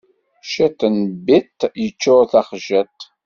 Ciṭ n biṭ yeččuṛ taxjiṭ.